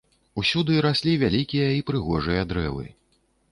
Усюды раслі вялікія і прыгожыя дрэвы.